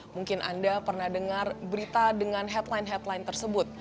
mungkin anda pernah dengar berita dengan headline headline tersebut